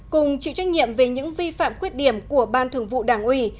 cùng chịu trách nhiệm về những vi phạm khuyết điểm của ban thường vụ đảng ủy